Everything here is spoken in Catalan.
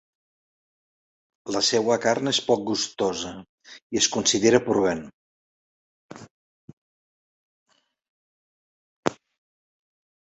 La seua carn és poc gustosa i es considera purgant.